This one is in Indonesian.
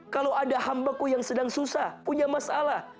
kalau ada hambaku yang sedang susah punya masalah